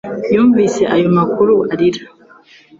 Yumvise ayo makuru arira